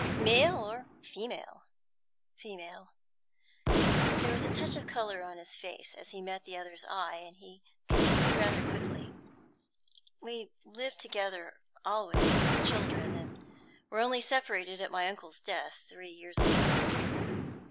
"Male or female?" "Female." There was a touch of colour on his face as he met the other's eye, and he continued rather quickly. "We lived together always as children, and were only separated at my uncle's death, three years ago.